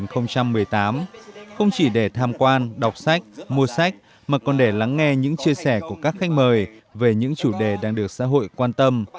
không chỉ để tham quan đọc sách mua sách mà còn để lắng nghe những chia sẻ của các khách mời về những chủ đề đang được xã hội quan tâm